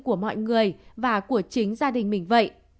của mọi người và của chính gia đình mình vậy